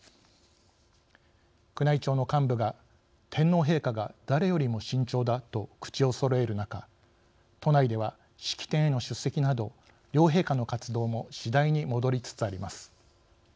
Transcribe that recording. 宮内庁の幹部が「天皇陛下が誰よりも慎重だ」と口をそろえる中都内では、式典への出席など両陛下の活動も次第に戻りつつあります。